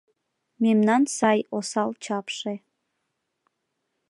Мемнан сай-осал чапше